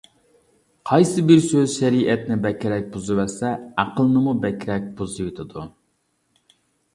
قايسى بىر سۆز شەرىئەتنى بەكرەك بۇزۇۋەتسە، ئەقىلنىمۇ بەكرەك بۇزۇۋېتىدۇ.